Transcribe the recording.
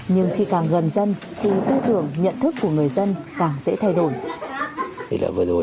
nhưng khi càng gần dân thì tư tưởng nhận thức của người dân càng dễ thay đổi